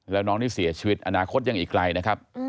แล้วน้องนี่เสียชีวิตอนาคตยังอีกไกลนะครับ